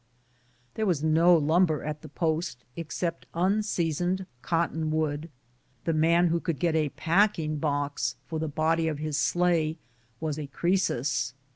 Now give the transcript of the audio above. There was no lumber at the post except unseasoned cotton wood. The man who could get a packing box for the body of his sleigh was a Croesus.